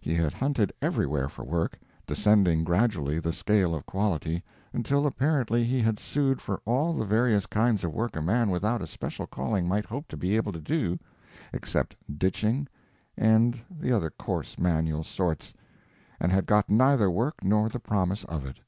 He had hunted everywhere for work, descending gradually the scale of quality, until apparently he had sued for all the various kinds of work a man without a special calling might hope to be able to do, except ditching and the other coarse manual sorts—and had got neither work nor the promise of it.